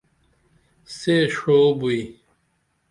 سے ڜو بوئی